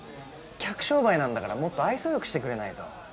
客商売なんだからもっと愛想良くしてくれないと。